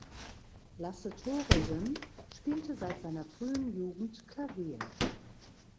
Lasse Thoresen spielte seit seiner frühen Jugend Klavier.